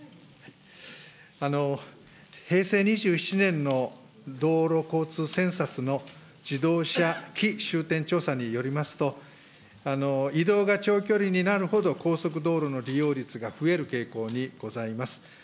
平成２７年の、道路交通センサスの自動車起終点調査によりますと、移動が長距離になるほど、高速道路の利用率が増える傾向にございます。